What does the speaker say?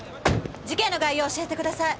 事件の概要教えてください。